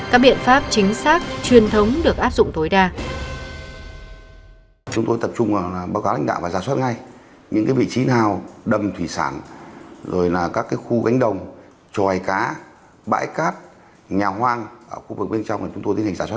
các biện pháp chính xác truyền thống được áp dụng tối đa